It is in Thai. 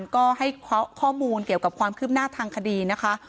ก็ให้ข้อมูลเกี่ยวกับความคืบหน้าทางคดีนะคะ